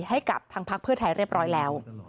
ให้กับทางพักเพื่อไทยเรียบร้อยแล้ว